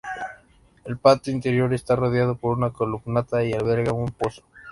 El patio interior está rodeado por una columnata y alberga un pozo.